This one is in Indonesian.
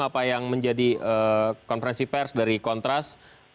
apa yang menjadi konferensi pers dari kontras